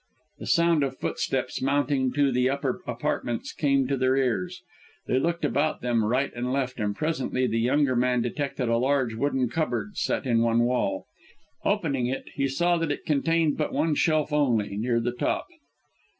The sound of footsteps mounting to the upper apartments came to their ears. They looked about them right and left, and presently the younger man detected a large wooden cupboard set in one wall. Opening it, he saw that it contained but one shelf only, near the top.